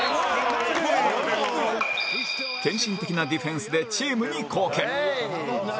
献身的なディフェンスでチームに貢献